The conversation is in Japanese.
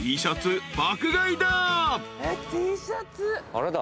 あれだ。